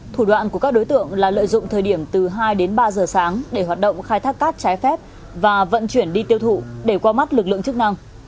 thủ đoạn của các đối tượng là lợi dụng thời điểm từ hai đến ba giờ sáng để hoạt động khai thác cát trái phép và vận chuyển đi tiêu thụ để qua mắt lực lượng chức năng